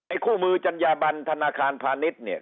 คู่มือจัญญาบันธนาคารพาณิชย์เนี่ย